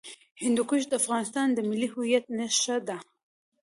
هندوکش د افغانستان د ملي هویت نښه ده.